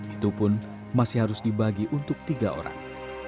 itu pun masih harus dibagi untuk tiga orang